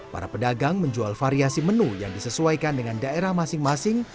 para pedagang menjual variasi menu yang disesuaikan dengan daerah masing masing